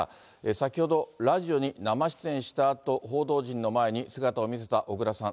先ほどラジオに生出演したあと、報道陣の前に姿を見せた小倉さん。